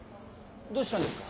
どうしたんですか？